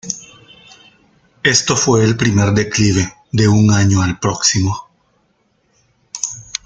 Esto fue el primer declive de un año al próximo.